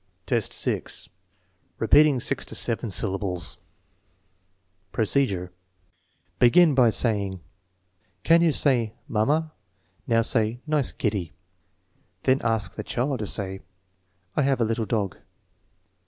TEST NO. Ed, 6 149 HI, 6. Repeating six to seven syllables Procedure. Begin by saying: " Can you say ' mamma '? Now, say * nice 'kitty.' " Then ask the child to say, "/ have a little dog."